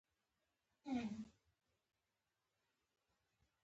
زه ولی درس وایم؟